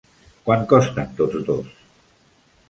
Quant costen tots dos!